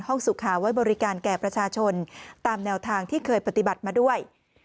สุขาไว้บริการแก่ประชาชนตามแนวทางที่เคยปฏิบัติมาด้วย